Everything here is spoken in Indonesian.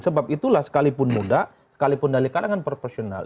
sebab itulah sekalipun muda sekalipun dari kadang kadang personal